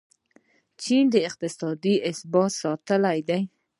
چین اقتصادي ثبات ساتلی دی.